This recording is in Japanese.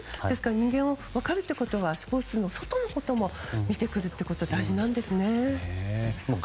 人間を分かるということはスポーツの外のところを見てくるということが大事なんですね。